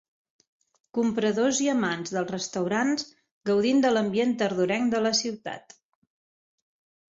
Compradors i amants dels restaurants gaudint de l'ambient tardorenc de la ciutat.